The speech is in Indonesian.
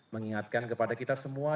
mengingatkan kepada kita semua